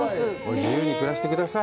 自由に暮らしてください。